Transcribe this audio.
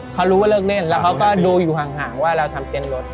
เขารู้ว่าเลิกเล่นแล้วเขาก็ดูอยู่ห่างว่าเราทำเต้นรถ